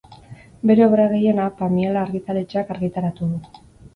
Bere obra gehiena Pamiela argitaletxeak argitaratu du.